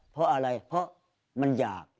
เพราะอะไรเพราะมันอยาก